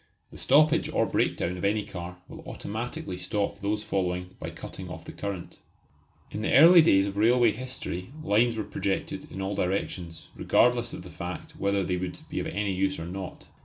The stoppage or breakdown of any car will automatically stop those following by cutting off the current. In the early days of railway history lines were projected in all directions, regardless of the fact whether they would be of any use or not.